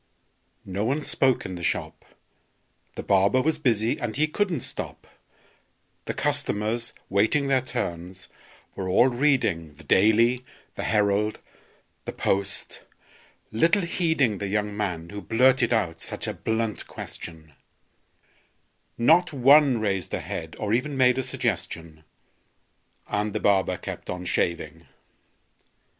No one spoke in the shop: The barber was busy, and he couldn't stop; The customers, waiting their turns, were all reading The "Daily," the "Herald," the "Post," little heeding The young man who blurted out such a blunt question; Not one raised a head, or even made a suggestion; And the barber kept on shaving.